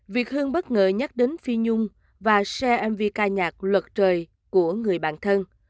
việt hương bất ngờ nhắc đến phi nhung và xe mv ca nhạc luật trời của người bạn thân